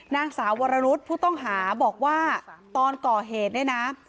นางสาววรรุษผู้ต้องหาบอกว่าตอนก่อเหตุเนี่ยนะ